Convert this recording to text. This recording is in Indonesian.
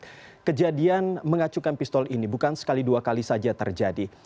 karena kejadian mengacukan pistol ini bukan sekali dua kali saja terjadi